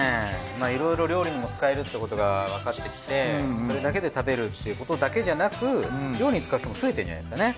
色々料理にも使えるっていうことがわかってきてそれだけで食べるっていうことだけじゃなく料理に使う人も増えてるんじゃないですかね。